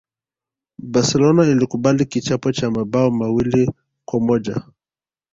barcelona ilikubali kichapo cha mabao mawili kwa moja